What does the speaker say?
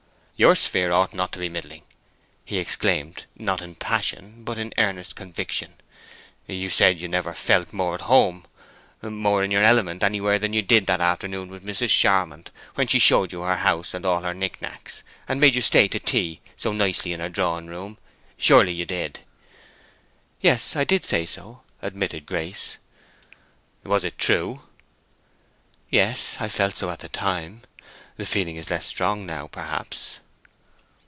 "Your sphere ought not to be middling," he exclaimed, not in passion, but in earnest conviction. "You said you never felt more at home, more in your element, anywhere than you did that afternoon with Mrs. Charmond, when she showed you her house and all her knick knacks, and made you stay to tea so nicely in her drawing room—surely you did!" "Yes, I did say so," admitted Grace. "Was it true?" "Yes, I felt so at the time. The feeling is less strong now, perhaps."